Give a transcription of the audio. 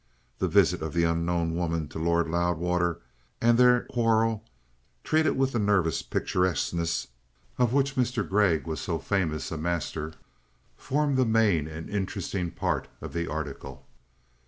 The visit of the unknown woman to Lord Loudwater and their quarrel, treated with the nervous picturesqueness of which Mr. Gregg was so famous a master, formed the main and interesting part of the article.